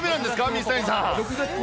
水谷さん。